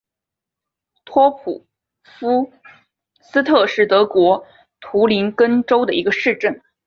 托普夫斯特是德国图林根州的一个市镇。